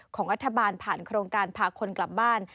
ของรัฐบาลผ่านโครงการพาคนกลับบ้าน